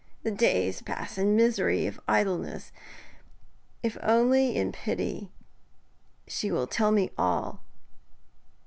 The days pass in misery of idleness. If only in pity she will tell me all.'